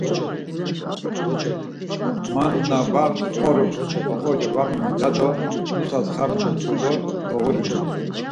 Ma na var mp̌oroms oxorca var minon ya do nusas xami nuntxu do doğurinu.